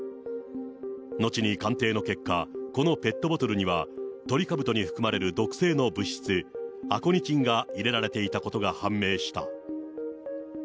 後に鑑定の結果、このペットボトルには、トリカブトに含まれる毒性の物質、アコニチンが入れられていたことが判明した。